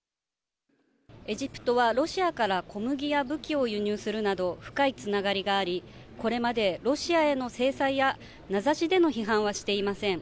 エジプトはロシアから小麦や武器を輸入するなど、深いつながりがあり、これまでロシアへの制裁や名指しでの批判はしていません。